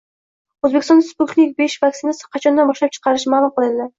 O‘zbekistonda “Sputnik V” vaksinasi qachondan ishlab chiqarilishi ma’lum qilindi